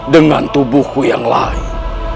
dengan tubuhku yang lain